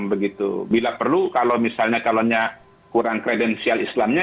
bila perlu kalau misalnya calonnya kurang kredensial islamnya